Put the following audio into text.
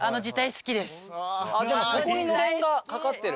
でもそこにのれんが掛かってる。